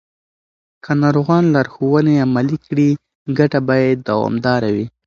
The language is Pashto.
که ناروغان لارښوونې عملي کړي، ګټه به یې دوامداره وي.